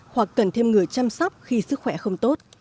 hoặc cần thêm người chăm sóc khi sức khỏe không tốt